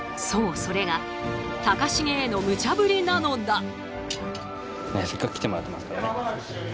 そうそれが高重へのムチャぶりなのだ。